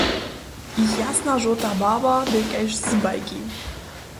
Jich jasna žołta barba bě kaž z bajki.